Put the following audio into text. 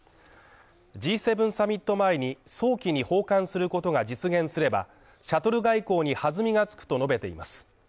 Ｇ７サミット前に早期に訪韓することが実現すれば、シャトル外交に弾みがつくと述べています。